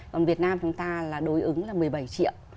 còn việt nam chúng ta là đối ứng là một mươi bảy triệu